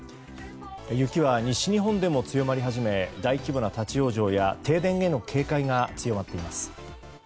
雪は西日本でも強まり始め大規模な立ち往生や停電への警戒が強まっています。